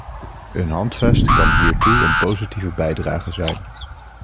Een handvest kan hiertoe een positieve bijdrage zijn.